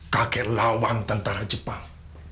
kakek lawan tentara jepang